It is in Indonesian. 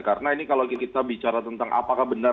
karena ini kalau kita bicara tentang apakah benar